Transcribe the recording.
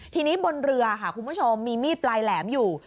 ทีนี้บนเรือค่ะคุณผู้ชมมีมีดปลายแหลมอยู่